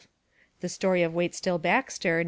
The Story of Waits till Baxter, 1913.